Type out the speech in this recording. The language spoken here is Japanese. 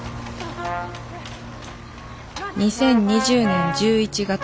２０２０年１１月。